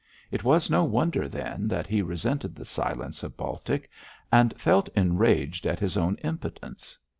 It was no wonder, then, that he resented the silence of Baltic and felt enraged at his own impotence.